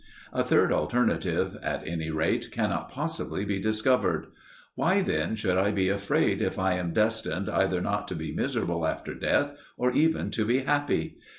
A third alternative, at any rate, cannot possibly be discovered. Why then should I be afraid if I am destined either not to be miserable after death or even to be happy?